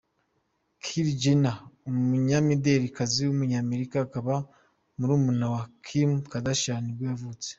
Kylie Jenner, umunyamidelikazi w’umunyamerika, akaba murumuna wa Kim Kardashian nibwo yavutse.